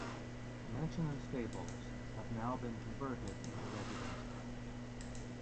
The mansion and stables have now been converted into residences.